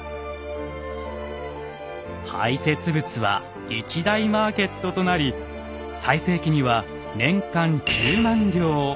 排せつ物は一大マーケットとなり最盛期には年間１０万両。